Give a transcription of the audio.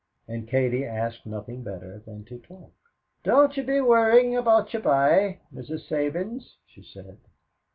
And Katie asked nothing better than to talk. "Don't you be worryin' about your by, Mrs. Sabins," she said.